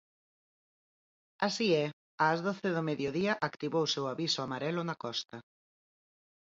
Así é, ás doce do mediodía activouse o aviso amarelo na costa.